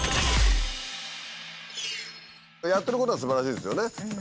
やってることがすばらしいですよね。